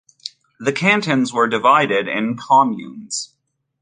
The cantons were divided in "communes".